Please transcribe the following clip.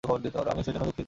আমি সেজন্য দুঃখিত।